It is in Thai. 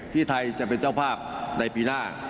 ที่ไทยจะเป็นเจ้าภาพในปีหน้า